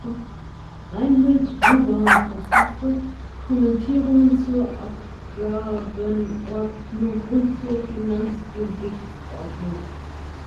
Reinhild Ruban verfasste Kommentierungen zur Abgabenordnung und zur Finanzgerichtsordnung.